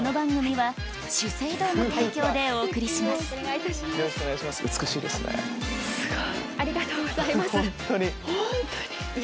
はい。